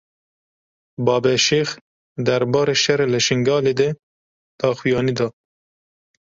Babe Şêx derbarê şerê li Şingalê de daxuyanî da.